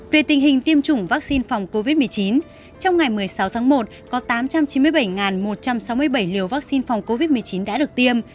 về tình hình tiêm chủng vaccine phòng covid một mươi chín trong ngày một mươi sáu tháng một có tám trăm chín mươi bảy một trăm sáu mươi bảy liều vaccine phòng covid một mươi chín đã được tiêm